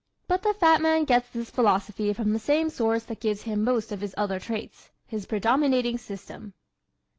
But the fat man gets this philosophy from the same source that gives him most of his other traits his predominating system.